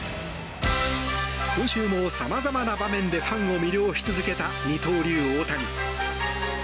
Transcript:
今週も様々な場面でファンを魅了し続けた二刀流大谷。